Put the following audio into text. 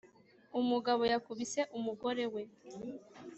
umugabo yakubise umugore we